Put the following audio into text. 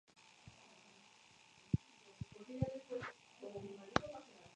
Trabajó a menudo con V. D. Sokolov en el estudio de depósitos cuaternarios.